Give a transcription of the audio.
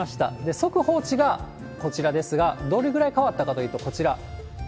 速報値がこちらですが、どれぐらい変わったかというとこちら。